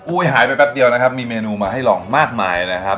หายไปแป๊บเดียวนะครับมีเมนูมาให้ลองมากมายนะครับ